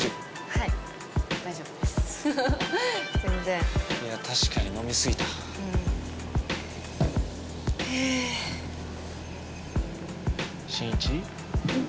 はい大丈夫ですフフフフ全然いや確かに飲み過ぎたうんしんいち？